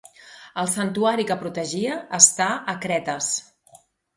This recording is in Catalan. El santuari que protegia està a Cretes?